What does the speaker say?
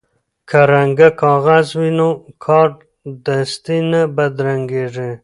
که رنګه کاغذ وي نو کارډستي نه بدرنګیږي.